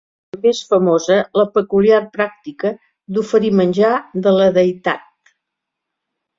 També és famosa la peculiar pràctica d'oferir menjar de la deïtat.